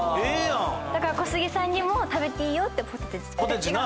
だから小杉さんにも食べていいよってポテチがあります。